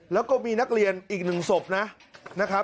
แล้วก็มีนักเรียนอีก๑ศพนะครับ